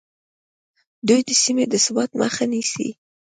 دوی د سیمې د ثبات مخه نیسي